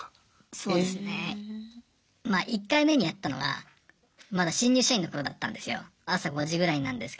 そうですねまあ１回目に遭ったのはまだ新入社員の頃だったんですよ。